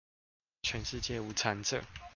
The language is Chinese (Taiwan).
全世界無產者